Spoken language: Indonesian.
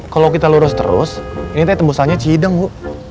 kalau kita lurus terus ini teh tembusannya cihideng bu